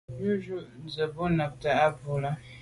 Jù jujù ze bo nabte à bwô là.